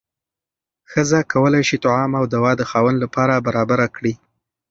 ښځه کولی شي طعام او دوا د خاوند لپاره برابره کړي.